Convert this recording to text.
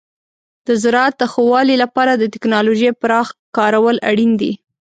د زراعت د ښه والي لپاره د تکنالوژۍ پراخ کارول اړین دي.